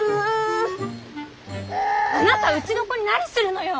あなたうちの子に何するのよ！